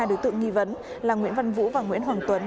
hai đối tượng nghi vấn là nguyễn văn vũ và nguyễn hoàng tuấn